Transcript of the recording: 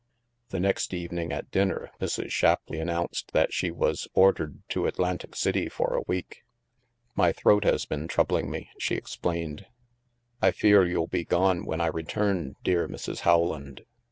The next evening at dinner, Mrs. Shapleigh an nounced that she was ordered to Atlantic City for a week. " My throat has been troubling me," she ex plained. " I fear you'll be gone when I return, dear Mrs. Rowland.